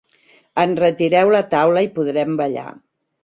Enretireu la taula i podrem ballar.